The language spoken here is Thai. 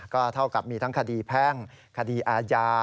ก็เท่ากับมีทั้งคดีแพ่งคดีอาญา